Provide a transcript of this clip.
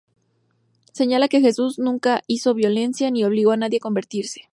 Señala que Jesús nunca hizo violencia ni obligó a nadie a convertirse.